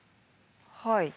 はい。